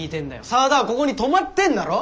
沢田はここに泊まってんだろ！